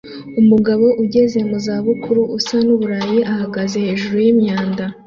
Umugabo ugeze mu za bukuru usa n’Uburayi ahagaze hejuru y’imyanda